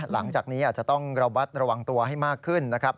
หลังจากนี้อาจจะต้องระวัดระวังตัวให้มากขึ้นนะครับ